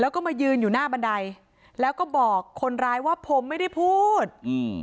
แล้วก็มายืนอยู่หน้าบันไดแล้วก็บอกคนร้ายว่าผมไม่ได้พูดอืม